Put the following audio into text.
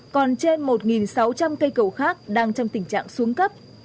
còn trên một sáu trăm linh cây cầu khác đang trong tình trạng xuống cấp